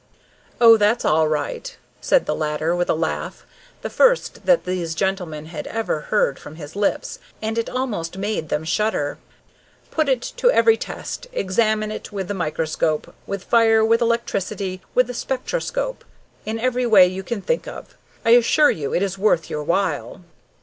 "Oh, that's all right," said the latter, with a laugh, the first that these gentlemen had ever heard from his lips, and it almost made them shudder; "put it to every test, examine it with the microscope, with fire, with electricity, with the spectroscope in every way you can think of! I assure you it is worth your while!"